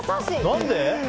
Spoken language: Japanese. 何で？